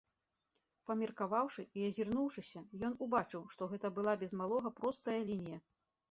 Памеркаваўшы і азірнуўшыся, ён убачыў, што гэта была, без малога, простая лінія.